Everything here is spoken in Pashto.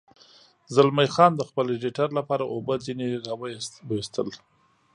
زلمی خان د خپل رېډیټر لپاره اوبه ځنې را ویستل.